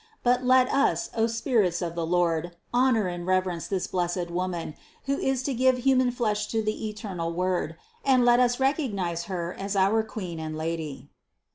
But let us, O spirits of the Lord, honor and reverence this blessed Woman, who is to give human flesh to the eternal Word; and let us recognize Her as our Queen and Lady."